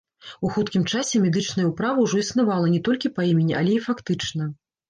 У хуткім часе медычная ўправа ўжо існавала не толькі па імені, але і фактычна.